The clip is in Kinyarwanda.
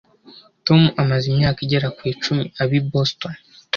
Tom amaze imyaka igera ku icumi aba i Boston